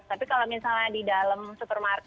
tapi kalau misalnya di dalam supermarket